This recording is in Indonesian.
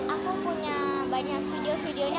aku punya banyak video videonya